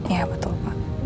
iya betul pak